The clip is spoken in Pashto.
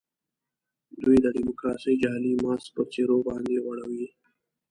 دوی د ډیموکراسۍ جعلي ماسک پر څېرو باندي غوړوي.